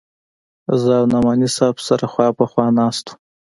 زه او نعماني صاحب سره خوا په خوا ناست وو.